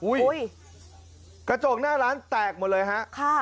กระจกหน้าร้านแตกหมดเลยฮะค่ะ